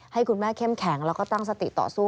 ให้คุณแม่เข้มแข็งแล้วก็ตั้งสติต่อสู้